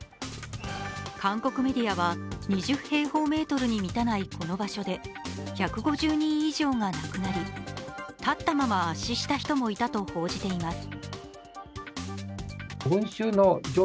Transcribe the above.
韓国メディアは２０平方メートルに満たないこの場所で１５０人以上が亡くなり立ったまま圧死した人もいたと報じています。